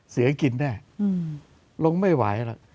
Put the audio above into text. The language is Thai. เสือกินแน่ลงไม่ไหวหรอก